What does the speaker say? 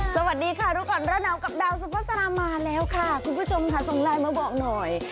สวัสดีค่ะรู้ก่อนร้อนหนาวกับดาวสุภาษามาแล้วค่ะคุณผู้ชมค่ะส่งไลน์มาบอกหน่อย